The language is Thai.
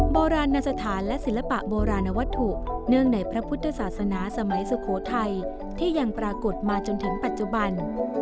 โบราณสถานและศิลปะโบราณวัตถุเนื่องในพระพุทธศาสนาสมัยสุโขทัยที่ยังปรากฏมาจนถึงปัจจุบัน